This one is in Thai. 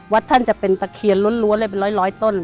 ท่านจะเป็นตะเคียนล้วนเลยเป็นร้อยต้น